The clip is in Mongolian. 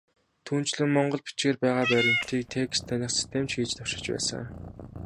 Түүнчлэн, монгол бичгээр байгаа баримтыг текст таних систем ч хийж туршиж байсан.